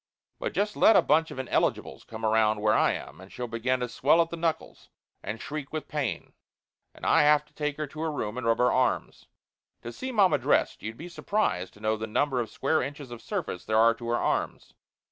But just let a bunch of ineligibles come around where I am, and she'll begin to swell at the knuckles and shriek with pain. And I have to take her to her room and rub her arms. To see mamma dressed you'd be surprised to know the number of square inches of surface there are to her arms.